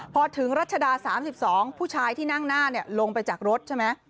พอถึงรัชดา๓๒ผู้ชายที่นั่งหน้าลงไปจากรถใช่ไหม